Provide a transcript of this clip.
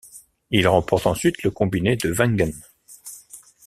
Il remporte ensuite le combiné de Wengen.